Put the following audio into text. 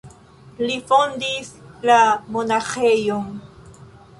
Li fondis la monaĥejon.